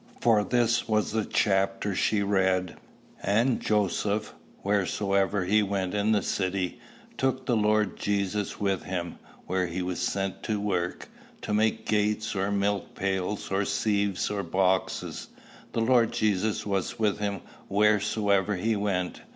For this was the chapter she read: "And Joseph, wheresoever he went in the city, took the Lord Jesus with him, where he was sent for to work, to make gates, or milk pails, or sieves, or boxes; the Lord Jesus was with him wheresoever he went.